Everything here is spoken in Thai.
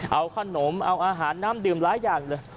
เอาขนมเอาอาหารน้ำดื่มหลายอย่างเลย